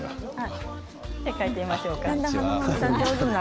変えてみましょうか。